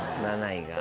７位が。